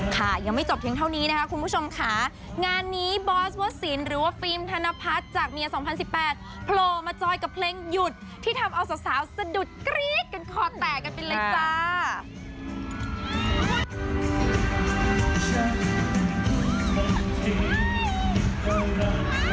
ค่ะยังไม่จบเพียงเท่านี้นะคะคุณผู้ชมค่ะงานนี้บอสวสินหรือว่าฟิล์มธนพัฒน์จากเมีย๒๐๑๘โผล่มาจอยกับเพลงหยุดที่ทำเอาสาวสะดุดกรี๊ดกันคอแตกกันไปเลยจ้า